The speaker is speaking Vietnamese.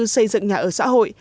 xây dựng nhà ở xã hội